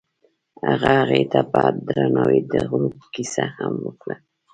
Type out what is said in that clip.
هغه هغې ته په درناوي د غروب کیسه هم وکړه.